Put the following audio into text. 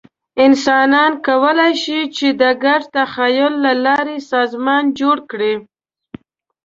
انسانان کولی شي، چې د ګډ تخیل له لارې سازمان جوړ کړي.